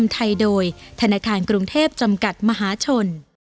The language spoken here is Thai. ไทยโดยธนาคารกรุงเทพจำกัดมหาชน